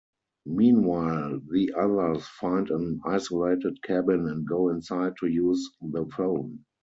Meanwhile, the others find an isolated cabin and go inside to use the phone.